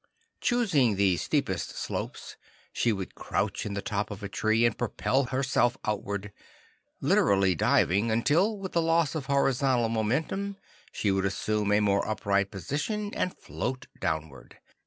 Choosing the steepest slopes, she would crouch in the top of a tree, and propel herself outward, literally diving until, with the loss of horizontal momentum, she would assume a more upright position and float downward.